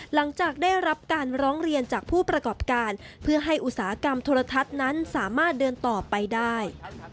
หลังจากได้รับการร้องเรียนจากผู้ประกอบการเพื่อให้อุตสาหกรรมโทรทัศน์นั้นสามารถเดินต่อไปได้